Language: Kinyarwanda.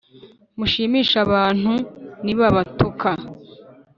Muzishime abantu nibabatuka.